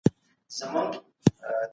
خلګ باید له عدل او انصاف څخه کار واخلي.